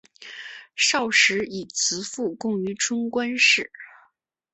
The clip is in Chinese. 少时以辞赋贡于春官氏。